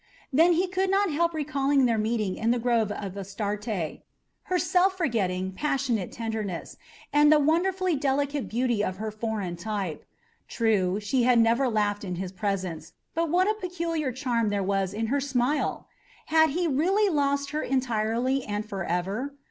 Then he could not help recalling their meetings in the grove of Astarte, her self forgetting, passionate tenderness, and the wonderfully delicate beauty of her foreign type. True, she had never laughed in his presence; but what a peculiar charm there was in her smile! Had he really lost her entirely and forever?